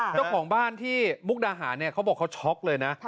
เจ้าของบ้านที่มุกดาหารเนี่ยเขาบอกเขาช็อกเลยนะ